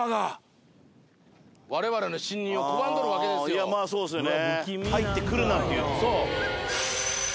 ああいやまあそうですよね。